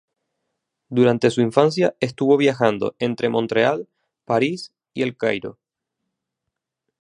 Durante su infancia, estuvo viajando entre Montreal, París y El Cairo.